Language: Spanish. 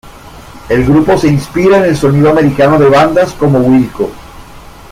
El grupo se inspira en el sonido americano de bandas como Wilco.